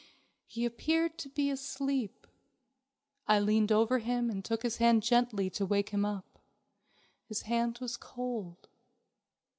He appeared to be asleep. I leaned over him and took his hand gently to wake him up. His hand was cold.